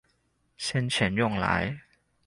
先前用來